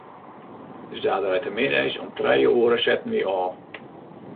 De saterdeitemiddeis om trije oere setten wy ôf.